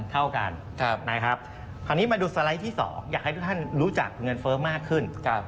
ต่อไปดูสไลด์ที่สองอยากให้ท่านรู้จักเงินเฟ้อมากขึ้น